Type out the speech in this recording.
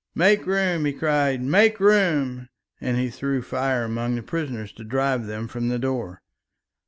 "Make room," he cried, "make room," and he threw fire among the prisoners to drive them from the door.